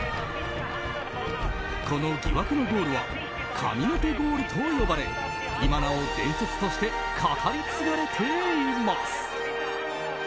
この疑惑のゴールは神の手ゴールと呼ばれ今なお伝説として語り継がれています。